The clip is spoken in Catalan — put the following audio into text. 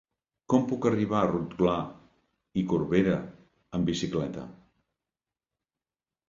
Com puc arribar a Rotglà i Corberà amb bicicleta?